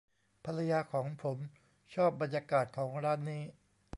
ภรรยาของผมชอบบรรยากาศของร้านนี้